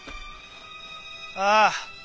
ああ。